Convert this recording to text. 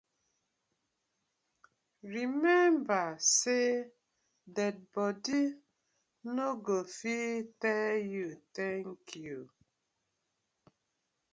Remmeber say dead bodi no go fit tell yu tank yu.